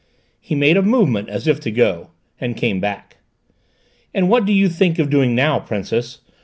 He made a movement as if to go, and came back. "And what do you think of doing now, Princess?